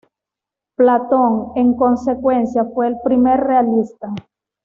Platón, en consecuencia, fue el primer realista.